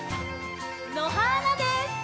のはーなです！